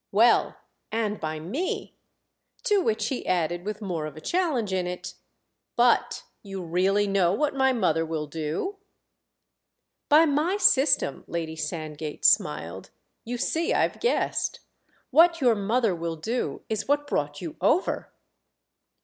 "Well, and by me." To which he added with more of a challenge in it: "But you really know what my mother will do?" "By my system," Lady Sandgate smiled, "you see I've guessed. What your mother will do is what brought you over!"